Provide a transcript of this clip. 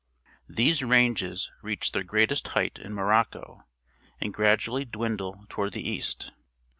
These ranges reach their greatest height in Morocco, and gradually dwindle toward the east.